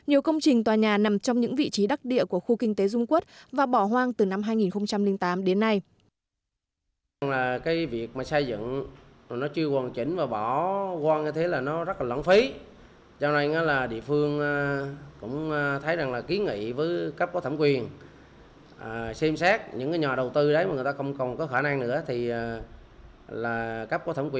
nhiều công trình tòa nhà nằm trong những vị trí đắc địa của khu kinh tế dung quốc